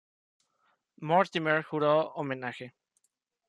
Mortimer juró homenaje.